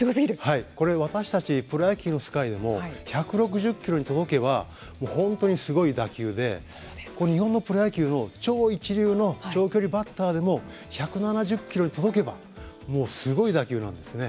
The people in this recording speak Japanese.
これ、私たちプロ野球の世界でも１６０キロに届けばもう本当にすごい打球で日本のプロ野球の超一流の長距離バッターでも１７０キロに届けばもうすごい打球なんですね。